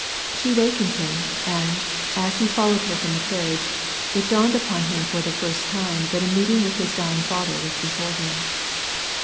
She wakened him, and, as he followed her from the carriage, it dawned u{x>n him for the first time that a meeting with his dying father was before him.